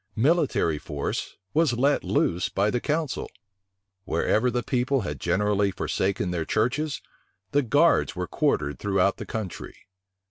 Military force was let loose by the council. Wherever the people had generally forsaken their churches, the guards were quartered throughout the country.